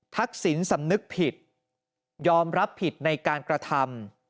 ทักษิณสำนึกผิดยอมรับผิดในการกระทำ